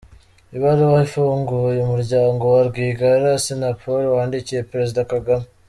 Ibaruwa ifunguye umuryango wa Rwigara Assinapol wandikiye Perezida Kagame